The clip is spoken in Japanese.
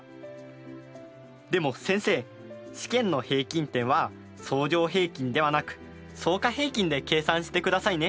でも先生試験の平均点は相乗平均ではなく相加平均で計算してくださいね。